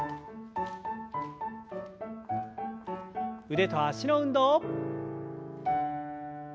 腕と脚の運動。